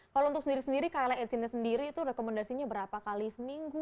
kalau untuk sendiri sendiri klhs ini sendiri itu rekomendasinya berapa kali seminggu